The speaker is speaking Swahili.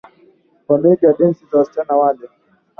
Wameiga densi za wasichana wale.